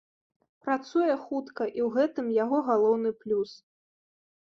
Працуе хутка, і ў гэтым яго галоўны плюс.